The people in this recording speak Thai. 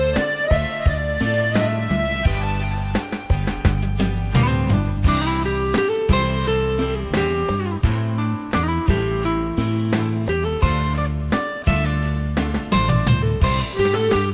น้องเบลเป็นไงค่ะ